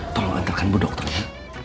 tolong antarkan bu dokter ya